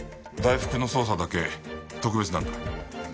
大福の捜査だけ特別なんだ。